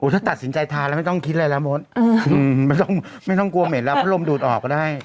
ถ้าตัดสินใจทานแล้วไม่ต้องคิดอะไรแล้วมดไม่ต้องไม่ต้องกลัวเหม็นแล้วพัดลมดูดออกก็ได้